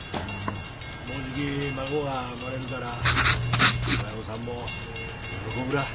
もうじき孫が生まれるから親御さんも喜ぶら。